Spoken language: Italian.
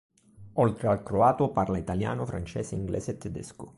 Oltre al croato, parla italiano, francese, inglese e tedesco.